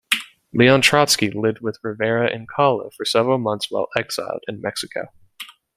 Leon Trotsky lived with Rivera and Kahlo for several months while exiled in Mexico.